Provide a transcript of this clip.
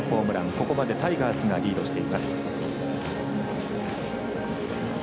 ここまでタイガースがリードしています。